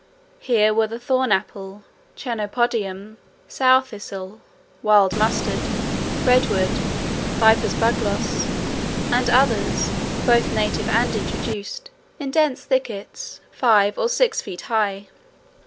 Here were the thorn apple, chenopodium, sow thistle, wild mustard, redweed, viper's bugloss, and others, both native and introduced, in dense thickets five or six feet high.